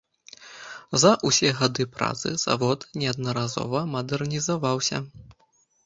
За ўсе гады працы завод неаднаразова мадэрнізаваўся.